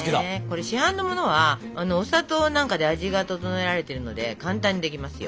これ市販のものはお砂糖なんかで味が調えられてるので簡単にできますよ。